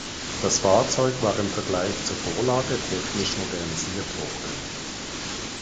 Das Fahrzeug war im Vergleich zur Vorlage technisch modernisiert worden.